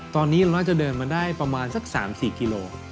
ตอนนี้เราจะเดินมาได้ประมาณสัก๓๔กิโล